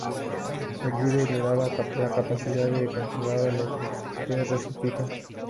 El virus le da la capacidad de controlar a los que resucita.